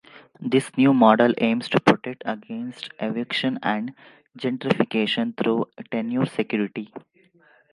This new model aims to protect against evictions and gentrification through tenure security.